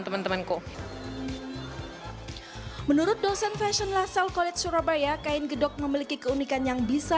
teman temanku menurut dosen fashion lassal kolet surabaya kain gedok memiliki keunikan yang bisa